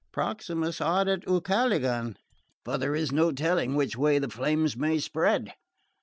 Proximus ardet Ucalegon; but there is no telling which way the flames may spread.